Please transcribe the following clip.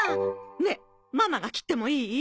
ねえママが切ってもいい？